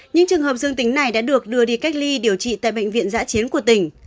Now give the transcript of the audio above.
những trường hợp dương tính này đã được đưa đi cách ly điều trị tại bệnh viện giã chiến của tỉnh